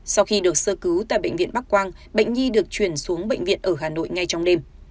sau khi được sơ cứu tại bệnh viện bắc quang bệnh nhi được chuyển xuống bệnh viện ở hà nội ngay trong đêm